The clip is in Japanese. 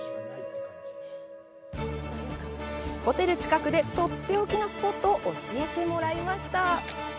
ホテル近くでとっておきのスポットを教えてもらいました。